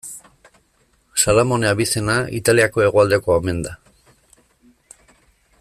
Salamone abizena Italiako hegoaldekoa omen da.